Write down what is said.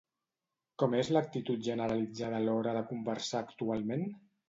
Com és l'actitud generalitzada a l'hora de conversar actualment?